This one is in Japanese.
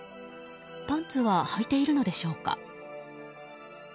パンツははいているのでしょうか。